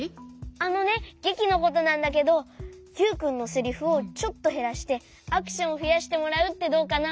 あのねげきのことなんだけどユウくんのセリフをちょっとへらしてアクションをふやしてもらうってどうかな？